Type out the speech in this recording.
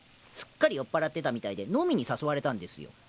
すっかり酔っぱらってたみたいで飲みに誘われたんですよ。